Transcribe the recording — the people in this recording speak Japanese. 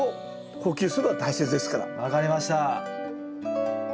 分かりました。